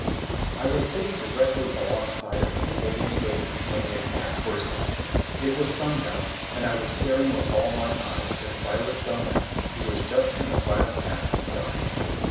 '" I was sitting directly alongside of him, holding the baby, when the attack burst on us. It was sundown, and I was staring with all my eyes at Silas Dunlap who was just in the final act of dying.